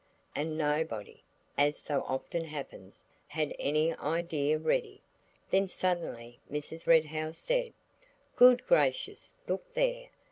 and nobody, as so often happens, had any idea ready. Then suddenly Mrs. Red House said– "Good gracious, look there!"